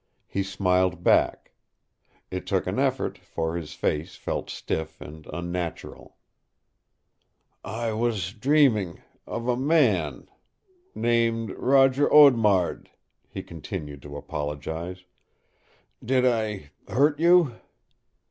He smiled back. It took an effort, for his face felt stiff and unnatural. "I was dreaming of a man named Roger Audemard," he continued to apologize. "Did I hurt you?"